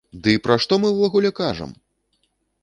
Ды і пра што мы ўвогуле кажам?!